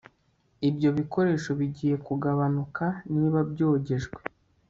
Ibyo bikoresho bigiye kugabanuka niba byogejwe